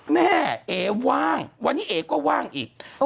แม่เอ๋ว่างวันนี้เอ๋ก็ว่างอีก